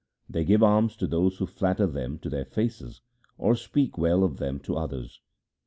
They give alms to those who flatter them to their faces or speak well of them to others.